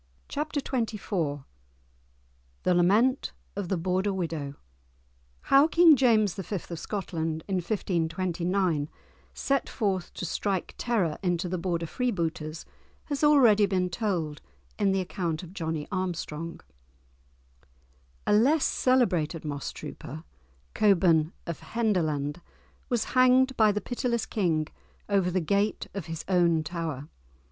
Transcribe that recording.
*Chapter XXIV* *The Lament of the Border Widow* How King James V. of Scotland, in 1529, set forth to strike terror into the Border freebooters, has been already told in the account of Johnie Armstrong. A less celebrated moss trooper, Cockburne of Henderland, was hanged by the pitiless King over the gate of his own tower.